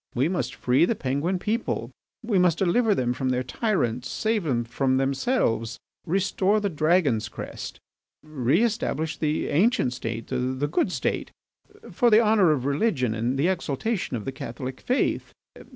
We must free the Penguin people, we must deliver them from their tyrants, save them from themselves, restore the Dragon's crest, reestablish the ancient State, the good State, for the honour of religion and the exaltation of the Catholic faith.